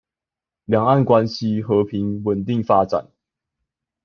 兩岸關係和平穩定發展